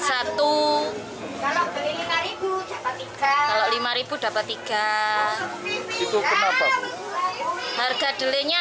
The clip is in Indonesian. jadi akan menggunakan pemerintah